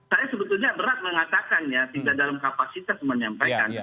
saya sebetulnya berat mengatakannya tidak dalam kapasitas menyampaikan